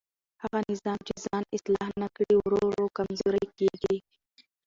هغه نظام چې ځان اصلاح نه کړي ورو ورو کمزوری کېږي